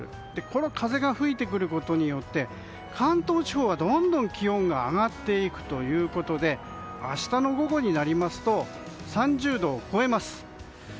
この風が吹いてくることによって関東地方はどんどん気温が上がっていくということで明日の午後になりますと３０度を超えます。